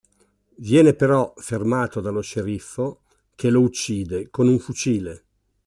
Viene però fermato dallo sceriffo, che lo uccide con un fucile.